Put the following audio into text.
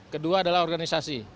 kedua adalah organisasi